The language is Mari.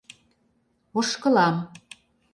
Ошкылам.